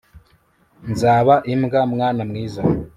Nzaba imbwa mwana mwiza